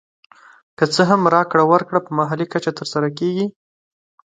که څه هم راکړه ورکړه په محلي کچه تر سره کېږي